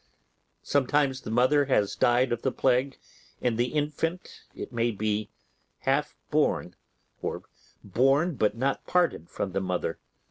Sometimes the mother has died of the plague, and the infant, it may be, half born, or born but not parted from the mother.